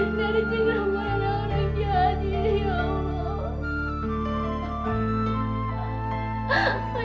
tuhan yang mudah jadi ya allah